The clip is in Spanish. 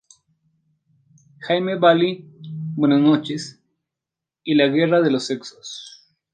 Jaime Baily, Buenas noches y La Guerra de los sexos.